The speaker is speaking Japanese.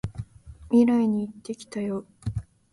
未来に行ってきたよ！